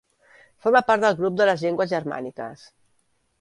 Forma part del grup de les llengües germàniques.